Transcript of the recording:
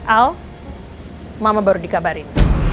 al mama baru dikabarin